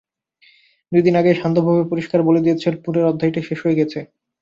দুই দিন আগেই শান্তভাবে পরিষ্কার বলে দিয়েছেন, পুলের অধ্যায়টা শেষ হয়ে গেছে।